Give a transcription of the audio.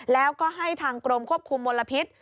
แล้วก็ให้ทางกรมควบคุมมลพิษ